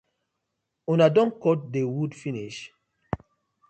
Una don kot the wood finish.